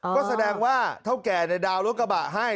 ก็แสดงว่าเท่าแก่ในดาวนรถกระบะให้